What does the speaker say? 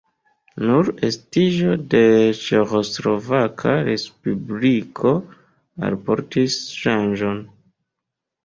Nur estiĝo de Ĉeĥoslovaka respubliko alportis ŝanĝon.